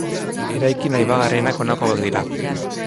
Eraikin aipagarrienak honako hauek dira.